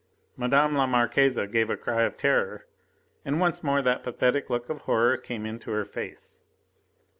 Madame la Marquise gave a cry of terror, and once more that pathetic look of horror came into her face.